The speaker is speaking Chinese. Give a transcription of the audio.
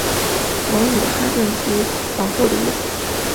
蒙语哈屯即皇后的意思。